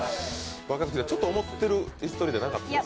若槻さん、ちょっと思ってる椅子取りじゃなかったですか？